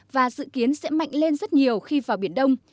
và dự kiến sẽ mạnh lên rất nhiều khi vào biển đông